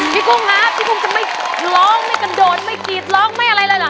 พี่กุ้งนะพี่กุ้งจะไม่รองไม่กันโดนไม่กรีตรองไม่อะไรเหรอ